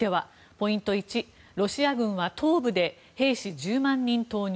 ポイント１、ロシア軍は東部で兵士１０万人投入。